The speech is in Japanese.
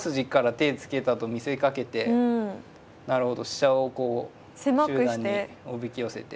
手つけたと見せかけてなるほど飛車をこう中段におびき寄せて。